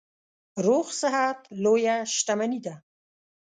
روغ صحت لویه شتنمي ده.